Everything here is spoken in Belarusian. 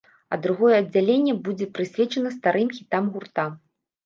А другое аддзяленне будзе прысвечана старым хітам гурта.